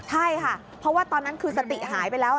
ใช่ค่ะเพราะว่าตอนนั้นคือสติหายไปแล้ว